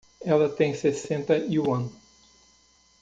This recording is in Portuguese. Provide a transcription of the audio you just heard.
Ela tem sessenta yuan